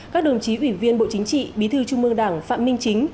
các đồng chí ủy viên bộ chính trị bí thư trung mương đảng phạm minh chính